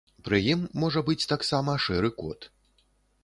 Пры ім можа быць таксама шэры кот.